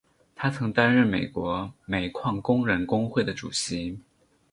他曾经担任英国煤矿工人工会的主席。